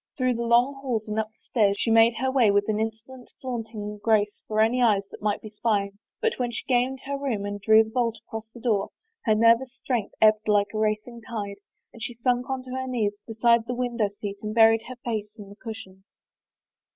Through the long halls and up the stairs she made her way with an insolent, flaunting grace for any eyes that might be spying, but when she gained her room and drew the bolt across the door, her nervous strength ebbed like a racing tide and she sunk on her knees beside the win dow seat and buried her face in the cushions.